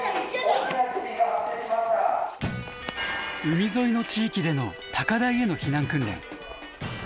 海沿いの地域での高台への避難訓練。